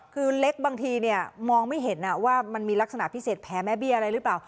คือเล็กบางทีเนี่ยมองไม่เห็นว่ามันมีลักษณะพิเศษแผลแม่เบี้ยอะไรหรือเปล่า